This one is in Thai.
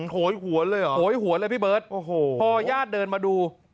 โหยหวนเลยเหรอโหยหวนเลยพี่เบิร์ตโอ้โหพอญาติเดินมาดู